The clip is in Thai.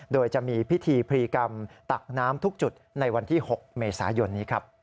โดยจะมีพิธีพรีกรรมตักน้ำทุกจุดในวันที่๖เมษายนนี้ครับ